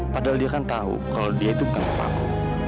padahal dia kan tahu kalau dia itu bukan paku